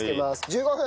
１５分。